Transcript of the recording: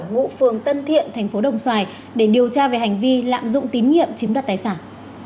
ngụ phường tân thiện thành phố đồng xoài để điều tra về hành vi lạm dụng tín nhiệm chiếm đoạt tài sản